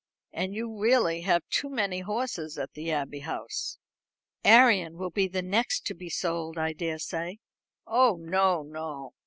And you really have too many horses at the Abbey House." "Arion will be the next to be sold, I daresay." "Oh, no, no.